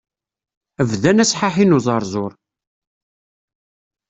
Bdan asḥaḥi n uẓerẓur.